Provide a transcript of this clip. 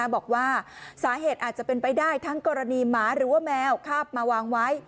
บอกว่าสาเหตุอาจจะเป็นไปได้ทั้งกรณีหมาหรือว่าแมวคาบมาวางไว้